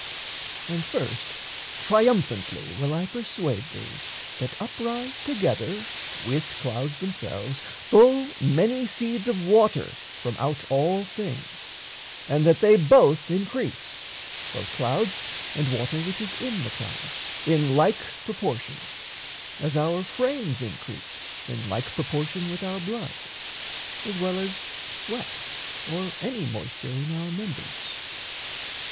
And first triumphantly Will I persuade thee that up rise together, With clouds themselves, full many seeds of water From out all things, and that they both increase Both clouds and water which is in the clouds In like proportion, as our frames increase In like proportion with our blood, as well As sweat or any moisture in our members.